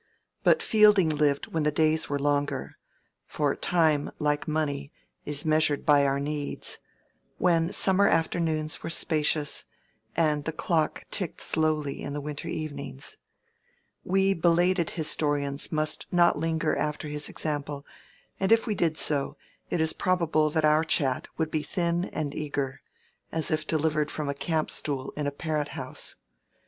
But Fielding lived when the days were longer (for time, like money, is measured by our needs), when summer afternoons were spacious, and the clock ticked slowly in the winter evenings. We belated historians must not linger after his example; and if we did so, it is probable that our chat would be thin and eager, as if delivered from a campstool in a parrot house.